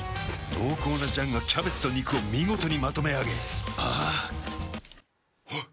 濃厚な醤がキャベツと肉を見事にまとめあげあぁあっ。